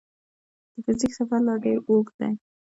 د فزیک سفر لا ډېر اوږ دی.